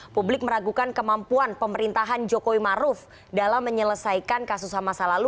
publik meragukan kemampuan pemerintahan jokowi maruf dalam menyelesaikan kasus ham masa lalu